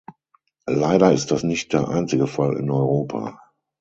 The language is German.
Leider ist das nicht der einzige Fall in Europa.